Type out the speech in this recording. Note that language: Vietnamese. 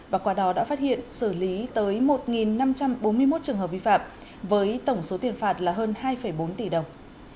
và qua đó đã phát hiện xử lý tới một năm trăm bốn mươi một trường hợp vi phạm với tổng số tiền phạt là hơn hai bốn tỷ đồng